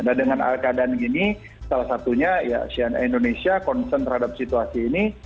nah dengan keadaan gini salah satunya ya indonesia concern terhadap situasi ini